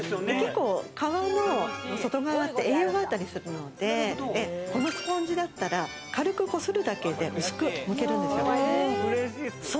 結構、皮の外側って栄養があったりするので、このスポンジだったら軽くこするだけで薄くむけるんですよ。